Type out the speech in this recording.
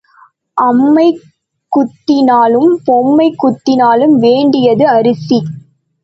அம்மை குத்தினாலும் பொம்மை குத்தினாலும் வேண்டியது அரிசி.